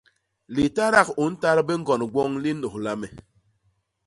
Litadak u ntat biñgond gwoñ li nnôlha me.